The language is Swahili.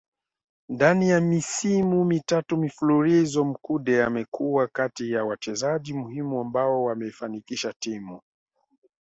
Ndani ya misimu mitatu mfululizo Mkude amekuwa kati ya wachezaji muhimu ambao wameifanikisha timu